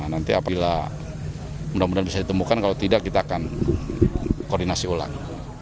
nanti apabila mudah mudahan bisa ditemukan kalau tidak kita akan koordinasi ulang